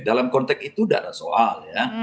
dalam konteks itu tidak ada soal ya